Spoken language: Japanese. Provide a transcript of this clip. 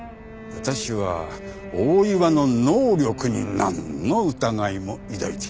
私は大岩の能力になんの疑いも抱いていない。